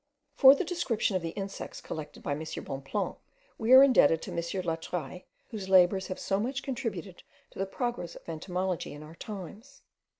For the description of the insects collected by M. Bonpland we are indebted to M. Latreille, whose labours have so much contributed to the progress of entomology in our times.